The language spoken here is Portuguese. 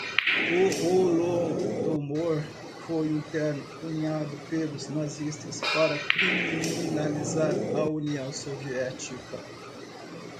O holodomor foi um termo cunhado pelos nazistas para criminalizar a União Soviética